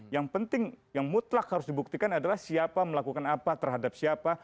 yang penting yang mutlak harus dibuktikan adalah siapa melakukan apa terhadap siapa